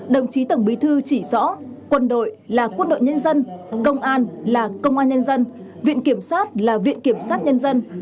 đồng chí tổng bí thư chỉ rõ quân đội là quân đội nhân dân công an là công an nhân dân viện kiểm sát là viện kiểm sát nhân dân